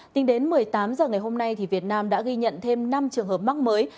tính đến một mươi tám h ngày hôm nay việt nam đã ghi nhận thêm năm trường hợp mắc mới